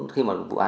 khi mà vụ án